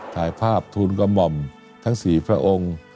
ถ่ายภาพทูลกระหม่อมทั้ง๔พระองค์